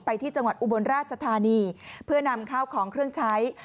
ที่จังหวัดอุบลราชธานีเพื่อนำข้าวของเครื่องใช้